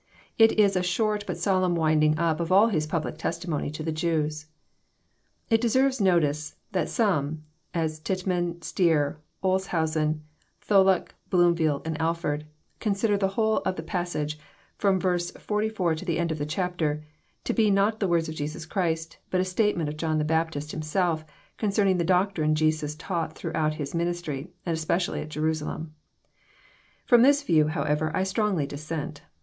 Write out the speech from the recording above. It is a short but solemn winding up of all His public testimony to the Jews. It deserves notice, that some, as Tittman, Stier, Olshausen, Tholuck, Bloomfield, and Alford, consider the whole of the pas sage, from verse forty four to the end of the chapter, to be not the words of Jesus Christ, but a statement of John the Baptist himself, concerning the doctrine Jesus taught throughout His ministry, and specially at Jerusalem. From this view, however, I strongly dissent.